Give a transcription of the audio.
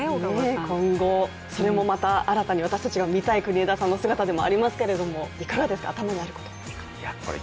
今後、新たに私たちが見たい国枝さんの姿ではありますけれどもいかがですか、頭にあることは。